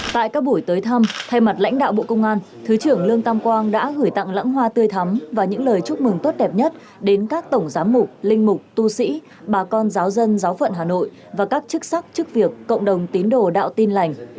tại các buổi tới thăm thay mặt lãnh đạo bộ công an thứ trưởng lương tam quang đã gửi tặng lãng hoa tươi thắm và những lời chúc mừng tốt đẹp nhất đến các tổng giám mục linh mục tu sĩ bà con giáo dân giáo phận hà nội và các chức sắc chức việc cộng đồng tín đồ đạo tin lành